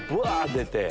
出て。